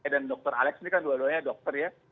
dan dokter alex ini kan dua duanya dokter ya